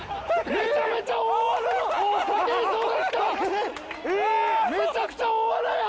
めちゃくちゃ大穴や！